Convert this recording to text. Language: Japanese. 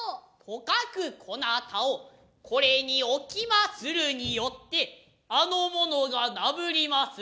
とかくこなたをこれに置きまするによってあの者が嬲りまする。